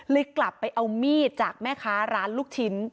กลับไปเอามีดจากแม่ค้าร้านลูกชิ้น